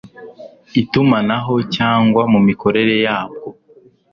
itumanaho cyangwa mu mikorere yabwo